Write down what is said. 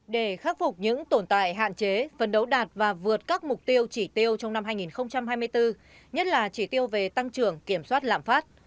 để khắc phục những tồn tại hạn chế phấn đấu đạt và vượt các mục tiêu chỉ tiêu trong năm hai nghìn hai mươi bốn nhất là chỉ tiêu về tăng trưởng kiểm soát lạm phát